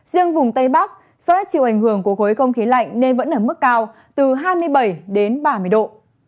riêng vùng tây bắc do chịu ảnh hưởng của khối không khí lạnh nên vẫn ở mức cao từ hai mươi bảy đến ba mươi độ